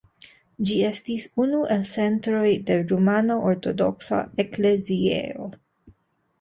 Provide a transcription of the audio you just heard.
Ĝi estis unu el centroj de rumana ortodoksa ekleziejo.